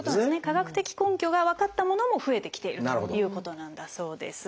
科学的根拠が分かったものも増えてきているということなんだそうです。